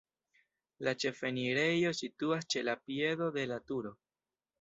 La ĉefenirejo situas ĉe la piedo de la turo.